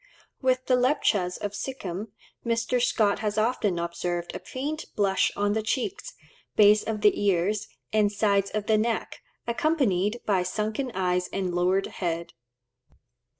With the Lepchas of Sikhim, Mr. Scott has often observed a faint blush on the cheeks, base of the ears, and sides of the neck, accompanied by sunken eyes and lowered head.